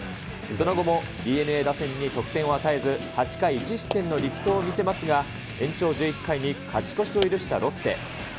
その後もＤｅＮＡ打線に得点を与えず、８回１失点の力投を見せますが、延長１１回に勝ち越しを許したロッテ。